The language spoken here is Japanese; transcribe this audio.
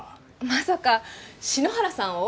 まさか篠原さんを？